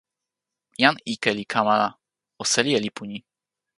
jan ike li kama la o seli e lipu ni.